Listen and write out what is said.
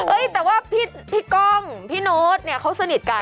แต่ว่าพี่ก้องพี่โน๊ตเนี่ยเขาสนิทกัน